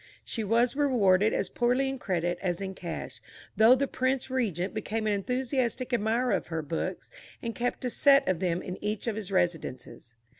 She was rewarded as poorly in credit as in cash, though the Prince Regent became an enthusiastic admirer of her books, and kept a set of them in each of his residences.